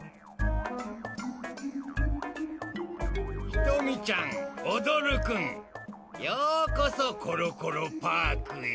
ひとみちゃんおどるくんようこそコロコロパークへ。